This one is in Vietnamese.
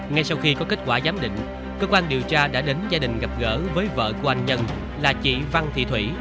ngay sau khi có kết quả giám định cơ quan điều tra đã đến gia đình gặp gỡ với vợ của anh nhân là chị văn thị thủy